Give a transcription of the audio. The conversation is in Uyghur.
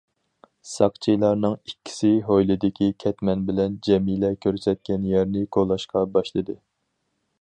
ساقچىلارنىڭ ئىككىسى ھويلىدىكى كەتمەن بىلەن جەمىلە كۆرسەتكەن يەرنى كولاشقا باشلىدى.